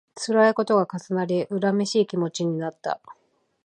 つらいことが重なり、恨めしい気持ちになった